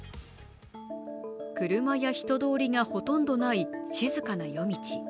車や人通りがほとんどない静かな夜道。